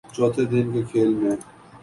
چوتھے دن کے کھیل میں